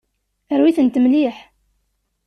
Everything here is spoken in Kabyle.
Rwi-tent mliḥ.